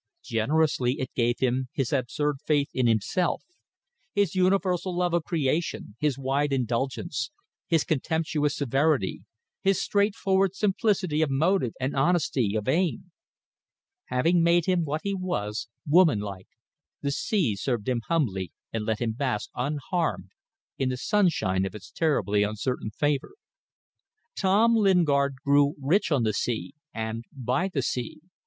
Generously it gave him his absurd faith in himself, his universal love of creation, his wide indulgence, his contemptuous severity, his straightforward simplicity of motive and honesty of aim. Having made him what he was, womanlike, the sea served him humbly and let him bask unharmed in the sunshine of its terribly uncertain favour. Tom Lingard grew rich on the sea and by the sea.